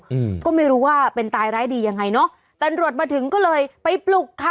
อืมก็ไม่รู้ว่าเป็นตายร้ายดียังไงเนอะตำรวจมาถึงก็เลยไปปลุกค่ะ